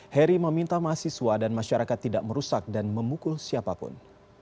heri meminta mahasiswa dan masyarakat tidak merusak dan memukul siapapun